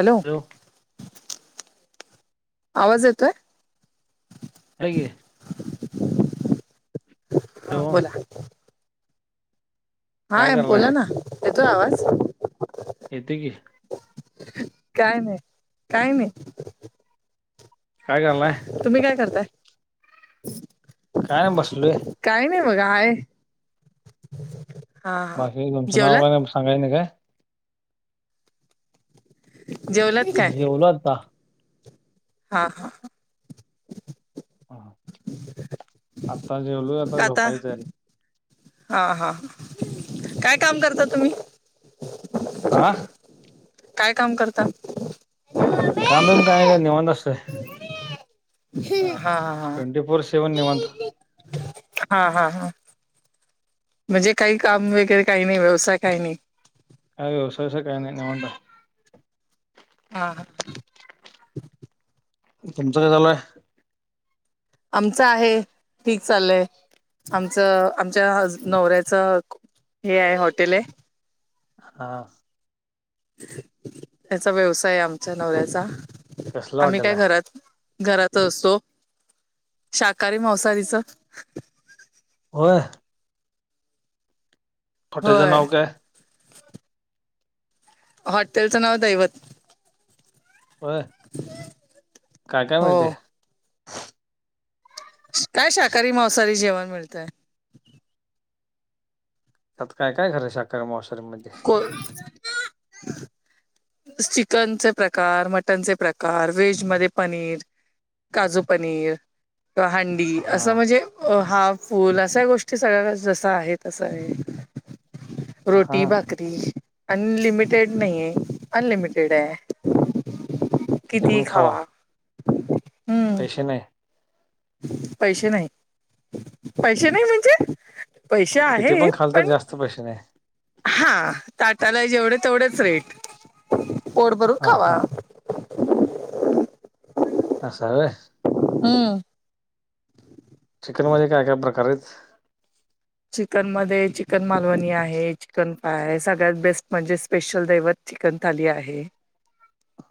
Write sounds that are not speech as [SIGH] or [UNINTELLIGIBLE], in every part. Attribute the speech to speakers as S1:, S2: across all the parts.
S1: Hello आवाज येतोय.
S2: [UNINTELLIGIBLE]
S1: हा
S2: हॅलो
S1: बोला
S2: काय
S1: हा
S2: करालाय
S1: बोला ना येतोय आवाज.
S2: येक.
S1: काय नाही काय नाही.
S2: हला.
S1: तुम्ही काय करताय.
S2: काय बसलोय.
S1: काही नाही बघ आहेय.
S2: बाकी लमचनाग सांगाय नाही काय.
S1: जेवलात काय
S2: जेवल आता.
S1: हा हा.
S2: ह आत्ता जेवलो आता झोपायचं आहे र.
S1: हा हा काय काम करता तुम्ही.
S2: आं.
S1: काय काम करता? [INAUDIBLE]
S2: काम बीम काय [UNINTELLIGIBLE] निवांत असतय.
S1: [INAUDIBLE] हा, हा,
S2: ट्वेंटी फोर सेव्हन निवांत
S1: हा. हा, हा, हा. म्हणजे, काही काम वगैरे काही नाही. व्यवसाय काही नाही.
S2: काय व्यवसाय असा काय नाही. निवातंय.
S1: हां, ह.
S2: तुमचं काय चालूय?
S1: आमचं आहे. ठीक चालय. आमचं, आमच्या हज नवऱ्याचं, हे आहे हॉटेलय.
S2: हा.
S1: त्याचा व्यवसाय आमच्या नवऱ्याचा.
S2: कसलं
S1: आम्ही
S2: हॉटेल
S1: काय
S2: आहे
S1: घरात घरात असतो. शाकाहारी, मांसाहारीच.
S2: होय. हॉटेलच
S1: होय
S2: नावकाय?
S1: हॉटेलचं नाव, दैवत.
S2: होय. काय, काय मिळते?
S1: हो काय, शाकाहारी- मांसाहारी जेवण मिळतय.
S2: त्यात, काय- काय खरं शाकाहारी मांसाहारी म
S1: को चिकनचे प्रकार, मटनचे प्रकार. व्हेज मध्ये पनीर. काजू पनीर. किंवा हंडी.
S2: हा
S1: असं म्हणजे अ हाफ- फूल अशा गोष्टी सगळ्या. जस आहे तसय.
S2: हा
S1: रोटी भाकरी. अन लिमिटेड नाही आहे. अनलिमिटेड आहे. [INAUDIBLE] किती खावा. हम्म
S2: पैसे नाही.
S1: पैसे नाही. पैसे नाही म्हणजे, पैसे आहेत. पण
S2: [UNINTELLIGIBLE]
S1: हा, ताटाला जेवढे तेवढेच रेट. पोट भरून
S2: हा
S1: खावा.
S2: हा असं हाय होय.
S1: हम.
S2: चिकन मध्ये, काय -काय प्रकारयत?
S1: चिकनमध्ये, चिकन मालवणी आहे. चिकन फाय आहे. सगळ्यात बेस्ट म्हणजे स्पेशल दैवत चिकन थाली आहे.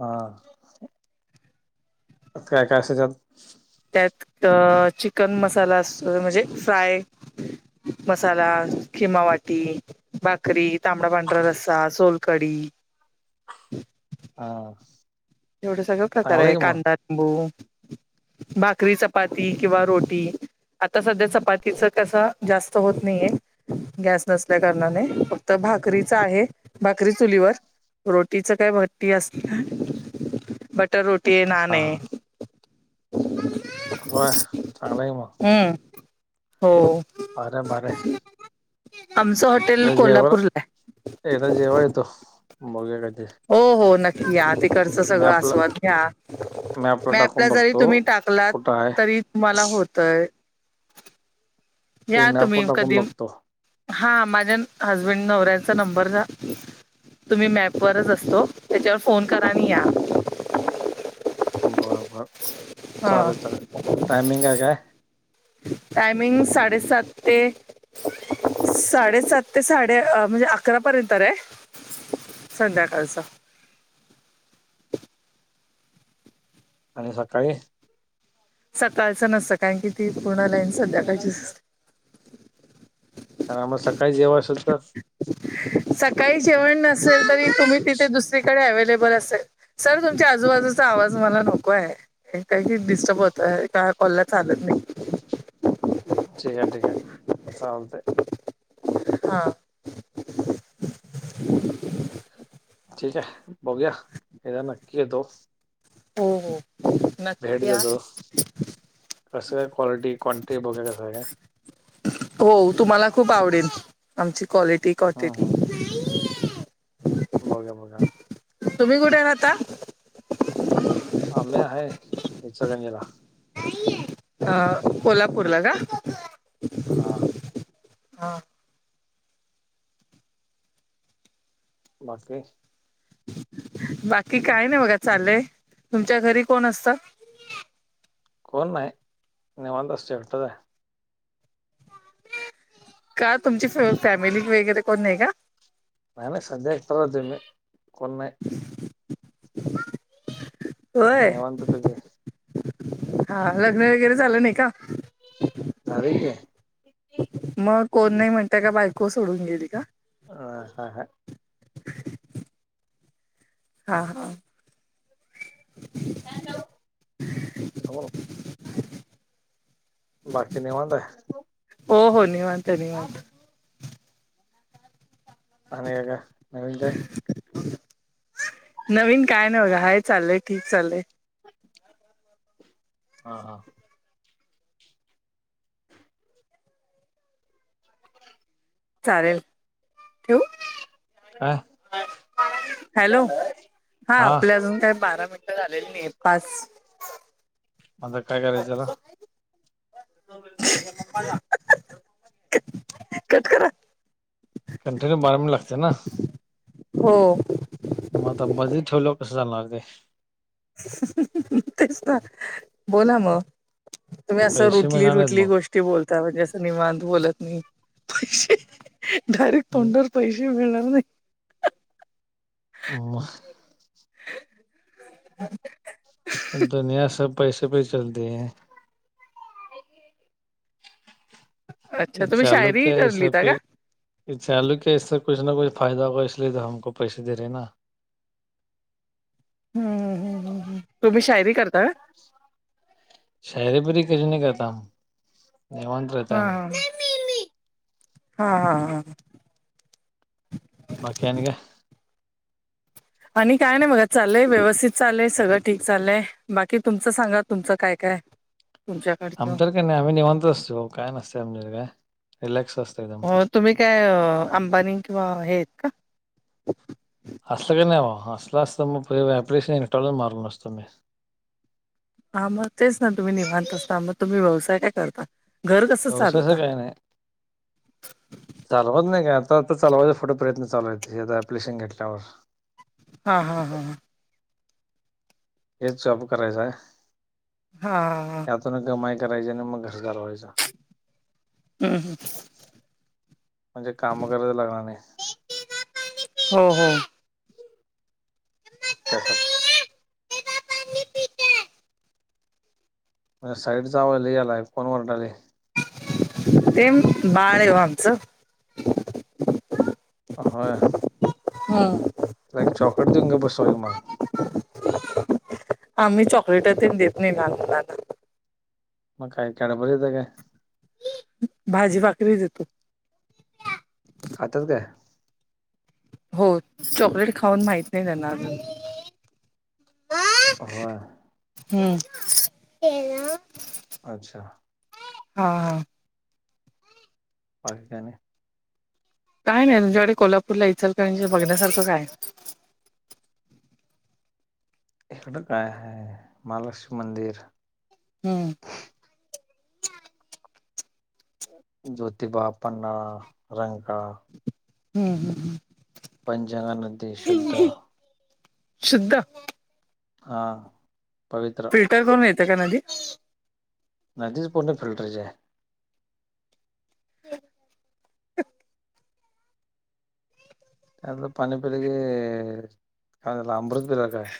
S2: हा. काय काय असतय त्यात.
S1: त्यात, चिकन मसाला असतो, म्हणजे फ्राय
S2: [INAUDIBLE]
S1: मसाला, खिमा वाटी, भाकरी, तांबडा पांढरा रस्सा, सोलकढी.
S2: हा.
S1: एवढं सगळं
S2: चांगलं
S1: प्रकारय.
S2: आहे की मग
S1: कांदा- लिंबू. भाकरी - चपाती किंवा रोटी. आता सध्या, चपातीच तसा जास्त होत नाहीये. गॅस नसल्या कारणाने. फक्त भाकरीच आहे. भाकरी चुलीवर. रोटीच काय भट्टी अस बटर रोटीय.
S2: हा
S1: नानय.
S2: हा होय, चांगलंय की मग.
S1: हम्म हो.
S2: बरंय, बरंय.
S1: आमचं हॉटेल
S2: [UNINTELLIGIBLE]
S1: कोल्हापूरला आहे
S2: एकदा जेवाय येतो. बघुया कधी.
S1: हो हो नक्की या तिकडचं सगळं
S2: मॅपला
S1: आस्वाद घ्या
S2: टाकून
S1: मॅपला जरी
S2: बघतो
S1: तुम्ही टाकलात
S2: कुठं आहे
S1: तरी तुम्हाला होतय
S2: ते
S1: या तुम्ही
S2: मॅपवर टाकून
S1: कधी
S2: बघतो
S1: हा माझ्या हजबंड नवऱ्याचा नंबर जा तुम्ही मॅपवरच असतो त्याच्यावर फोन करा आणि या
S2: बरं बरं
S1: हा
S2: चालेल चालेल टायमिंग आहे काय?
S1: टायमिंग साडेसात ते साडेसात ते साडे म्हणजे अकरा पर्यंत रे संध्याकालच.
S2: आणि सकाळी?
S1: सकाळचं नसतं कारण की ती पूर्ण लईन संध्याकाळचीच
S2: कारण आम्हा सकाळी जेव्हा असल तर?
S1: सकाळी जेवण नसेल तरी तुम्ही तिथे दुसरीकडे अव्लेबल असेल सर तुमच्या आजूबाजूचा आवाज मला नको आहे. काही डिस्टर्ब होतं का कॉलला चालत नाही.
S2: ठीके ठीके चालतंय.
S1: हा.
S2: ठीक आहे बघूया एकदा नक्की येतो.
S1: हो हो.
S2: भेट
S1: नक्की या
S2: देतो कस काय क्वालिटी क्वांटिटी बघूया कसं काय.
S1: हो तुम्हाला खूप आवडेल आमची क्वालिटी
S2: हं,
S1: क्वांटिटी
S2: हं. बघूया बघूया.
S1: तुम्ही कुठे राहता?
S2: आम्ही हाय इचलकरंजीला
S1: अ कोल्हापूरला का?
S2: हा.
S1: हा.
S2: बाकी?
S1: बाकी काय नाही बघा चालय तुमच्या घरी कोण असत?
S2: कोण नाही निवांत असतोय एकटाच आहे.
S1: का तुमची फॅमिली वगैरे कोण नाही का?
S2: नाही नाही सध्या एकटाच राहतोय मी कोण नाही.
S1: होय
S2: निवांतपैकी
S1: हा लग्न वगैरे झालं नाही का?
S2: झाले की.
S1: मग कोण नाही म्हणता का बायको सोडून गेली का?
S2: ह ह.
S1: हा हा.
S2: नो.
S1: [INAUDIBLE]
S2: बाकी निवांत आहे?
S1: हो हो निवांत निवांत.
S2: आणि काय काय नवीन काय?
S1: नवीन काय नाही बघा हाय चालय ठीक चाललय.
S2: हा हा.
S1: चालेल ठेवू?
S2: काय
S1: हॅलो हा आपले अजून काय बारा मिनट झालेले नाहीत पाच
S2: आता काय करायचं त्याला?
S1: कट करा.
S2: कंटि्यू बारा मिनिट लागते ना?
S1: हो.
S2: मग आता बधी ठेवल्याव कसं जाणार ते?
S1: च च चं तेच ना. बोला म तुम्ही असं
S2: पैसे
S1: रुटली
S2: मिळणार नाहीत
S1: रुटली
S2: मग
S1: गोष्ट. ते बोलता म्हणजे असं निवांत बोलत नाही. चचं डायरेक्ट
S2: हम्म
S1: तोंडर. पैसे मिळणार नाही
S2: वाह.
S1: [UNINTELLIGIBLE]
S2: दुनिया सब पैसे पे चलते हैं.
S1: अच्छा तुम्ही शायरी करलीता का
S2: [UNINTELLIGIBLE] [UNINTELLIGIBLE]
S1: [UNINTELLIGIBLE]
S2: [UNINTELLIGIBLE]
S1: अहं हा ते मी मी अहं हं.
S2: बाकी आणि काय?
S1: आणि काय नाही बघा. चाललय व्यवस्थित चाललय. सगळं ठीक चाललय. बाकी तुमचं सांगा, तुमचं काय काय तुमच्याकडचं?
S2: आमच्यात काय नाही आम्ही निवांत असतो वो काय नसतेय आमच्याकड रिलॅक्स असतय-
S1: मग तुम्ही काय अंबानी किंवा हे आहेत का?
S2: असल काय नाहीवा. असल असत मग [UNINTELLIGIBLE]
S1: हं मग तेच ना तुम्ही निवांत असता. मग तुम्ही व्यवसाय काय करता? घर कसं
S2: पावसाचं
S1: चालवता?
S2: काय नाही चालवत नाही काय आता आता चालवायचा पुढे प्रयत्न चालू आहेत हे अप्लिकेशन घेतल्यावर.
S1: आं हां हा हा
S2: हेच चालू करायच हाय.
S1: आहांहा.
S2: त्यातून कमाई करायची आणि मग घर चालवायचं.
S1: हम्. हम.
S2: म्हणजे काम करायच लागणार नाहीतं.
S1: हो. हो.
S2: त्यासाठी - -
S1: [INAUDIBLE]
S2: मला साईटचा आवाज लई यालायं. कोण ओरडाय लागलयं?
S1: ते बाळ हाय ओ आमचं.
S2: होय.
S1: हम्म.
S2: तेला एक चॉकलेट देऊन गप्प बसवा की मगं.
S1: [INAUDIBLE] आम्ही चॉकलेट तेन देत नाही लहान मुलांना.
S2: मग काय कॅडबरी देतायं काय?
S1: भाजी भाकरी देतो.
S2: खात्यात काय?
S1: हो. चॉकलेट खाऊन माहित नाही त्यांना अजुन.
S2: होय.
S1: हम्म.
S2: अच्छा.
S1: हा. हा.
S2: बाकि काय आणि.
S1: काय नाही तुमच्याकडे कोल्हापूरला, इचलकरंजीला बघण्यासारखं काय हाय?
S2: इकडं काय हाय. महालक्ष्मी मंदिर.
S1: हम्म.
S2: जोतिबा, पन्हाळा, रंकाळा - -
S1: हम्. हम.
S2: पंचंगा नदी शुद्धा.
S1: शुद्ध.
S2: हा पवित्र.
S1: फिलर करून येते का नदी.
S2: नदीच पुोणे फिल्टरचे आहे.
S1: [INAUDIBLE]
S2: त्यातलं पाणी पिरकी कायला अमृत पिल्लार काय आहे.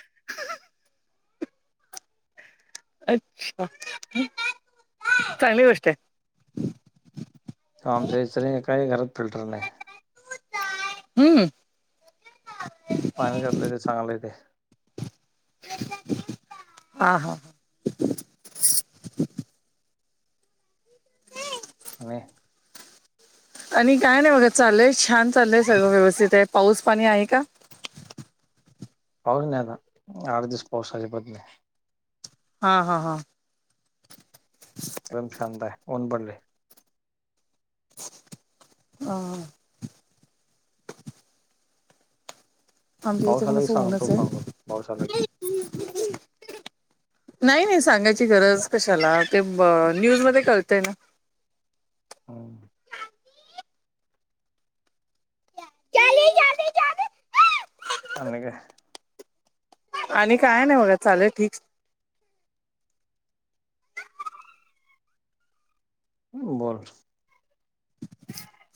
S1: अच्छा चांगली गोष्ट आहे.
S2: त आमच्या इतर काही घरात फिल्टर नाही.
S1: हम्म.
S2: ते पाणी घातलंय ते चांगलंय तेे.
S1: हा हा.
S2: आणि.
S1: आणि काय नाही बघा चाललंय छान चालय सगळं व्यवस्थित आहे पाऊस पाणी आहे का.
S2: पाऊस नाही आता आठ दिस पाऊस झाले पत नाही.
S1: हा हा हा. [INAUDIBLE]
S2: रम छंद आहे ऊन बडली.
S1: ह. आमच्या इथे पण
S2: पावसालाही
S1: असं
S2: सांगतो
S1: ऊनच आहे
S2: फांून पावसाला क
S1: नाही नाही सांगायची गरज कशाला ते न्यूज मध्ये कळतय ना.
S2: [INAUDIBLE] अनक.
S1: आणि काय नाही होला चालेल ठीक.
S2: बोल.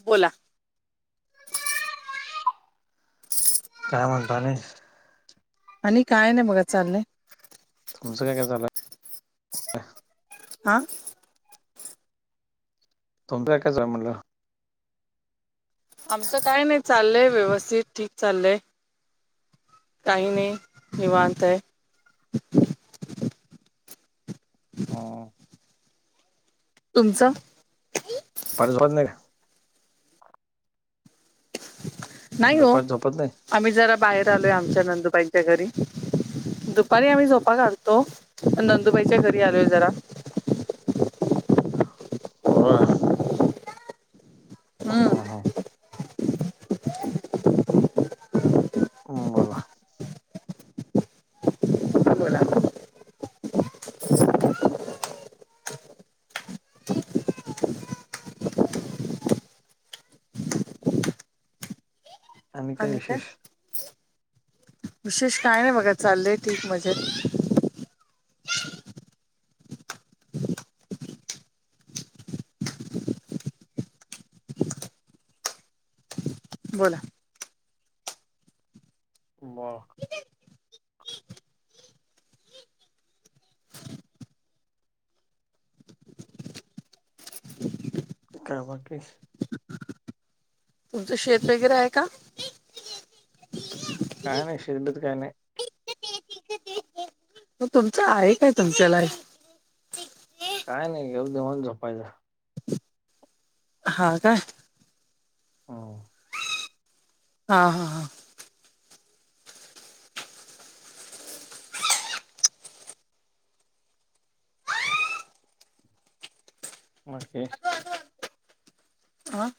S1: बोला.
S2: काय म्हणता नाही.
S1: आणि काय नाही बघा चालय.
S2: तुमं काय झालं.
S1: आां.
S2: तोम तोय काच आहे म्हटलं.
S1: आमचं काय नाही चाललंय व्यवस्थित ठीक चाललंय. काहीने निवाांत आहे.
S2: हम.
S1: तुमचं.
S2: परस होत नाही का.
S1: नाही हो
S2: दुपारी झोपत नाही
S1: आम्ही जरा बाहेर आलोय आमच्या नंदुबाईंच्या घरी. दुपारी आम्ही सोपा घालतो नंदुबाईच्या घरी आलोय जरा.
S2: हो. हा
S1: हम्म
S2: ह. ् बला.
S1: बोला. आणि काय विशेष काय नाही बघा चाललंय ठीक मजेत. बोला.
S2: [INAUDIBLE] कावाकीेस.
S1: तुमचं शेत वगैरे आहे का.
S2: काणी शल्बत काणी.
S1: म तुमचं आहे काय तुमच्याला.
S2: काय नाही घेऊ देऊन झपायचं.
S1: ह का
S2: ह- [INAUDIBLE]
S1: हा- हा -हा
S2: मटकेश
S1: हां